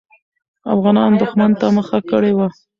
افغانان دښمن ته مخه کړې وه.